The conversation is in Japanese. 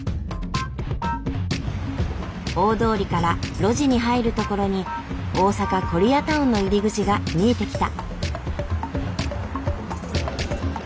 大通りから路地に入る所に大阪コリアタウンの入り口が見えてきた。